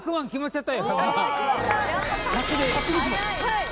はい。